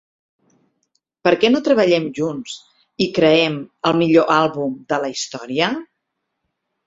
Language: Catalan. Per què no treballem junts i creem el millor àlbum de la història?